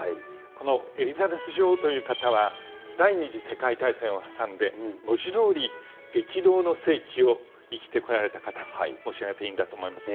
このエリザベス女王という方は、第２次世界大戦を挟んで、文字どおり激動の世紀を生きてこられた方と申し上げていいんだと思います。